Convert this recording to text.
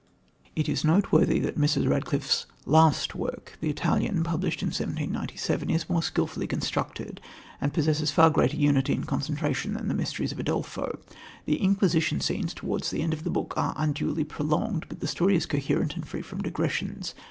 It is noteworthy that Mrs. Radcliffe's last work The Italian, published in 1797 is more skilfully constructed, and possesses far greater unity and concentration than The Mysteries of Udolpho. The Inquisition scenes towards the end of the book are unduly prolonged, but the story is coherent and free from digressions.